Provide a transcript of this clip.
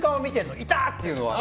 いた！というのは。